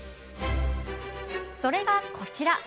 それが、こちら。